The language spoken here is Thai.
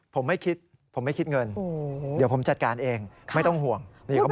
ผมไม่คิดผมไม่คิดเงินเดี๋ยวผมจัดการเองไม่ต้องห่วง